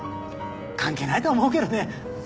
関係ないと思うけどね。